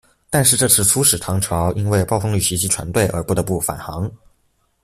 但是这次出使唐朝因为暴风雨袭击船队而不得不返航。